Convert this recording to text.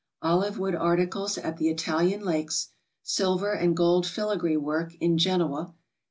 Olive wood articles at the Italian Lakes. Silver and gold filagree work, in Genoa.